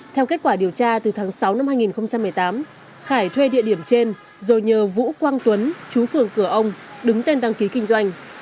theo kết quả điều tra từ tháng sáu năm hai nghìn một mươi tám khải thuê địa điểm trên rồi nhờ vũ quang tuấn chú phường cửa ông đứng tên đăng ký kinh doanh